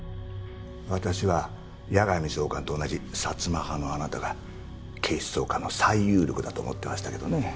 私は矢上総監と同じ薩摩派のあなたが警視総監の最有力だと思ってましたけどね。